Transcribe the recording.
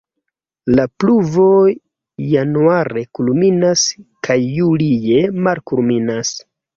La pluvo januare kulminas kaj julie malkulminas.